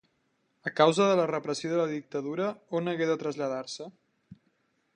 A causa de la repressió de la dictadura, a on hagué de traslladar-se?